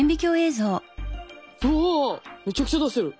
うわぁむちゃくちゃ出してる！